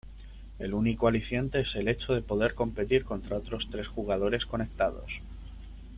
El único aliciente es el hecho de poder competir contra otros tres jugadores conectados.